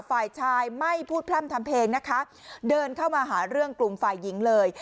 ฝ่ายชายไม่พูดพร่ำทำเพลงนะคะเดินเข้ามาหาเรื่องกลุ่มฝ่ายหญิงเลย